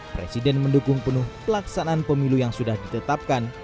presiden mendukung penuh pelaksanaan pemilu yang sudah ditetapkan